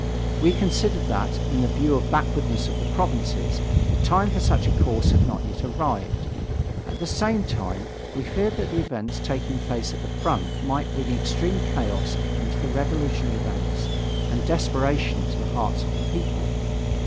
We considered that, in view of the backwardness of the provinces, the time for such a course had not yet arrived. At the same time, we feared that the events taking place at the front might bring extreme chaos into the revolutionary ranks, and desperation to the hearts of the people.